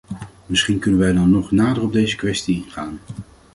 Misschien kunnen wij dan nog nader op deze kwestie ingaan.